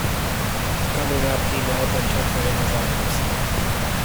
Coming up he knelt and took her in his arms.